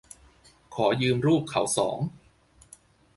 ขอยืมรูปเขาสอง